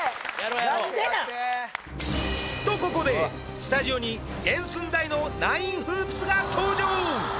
なんでなん？とここでスタジオに原寸大のナインフープスが登場